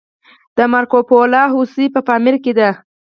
د مارکوپولو هوسۍ په پامیر کې ده